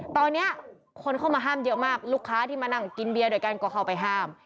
ตอนนี้คนเข้ามาห้ามเยอะมากลูกค้าที่มานั่งกินเบียร์ด้วยกันก็เข้าไปห้าม